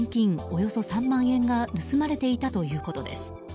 およそ３万円が盗まれていたということです。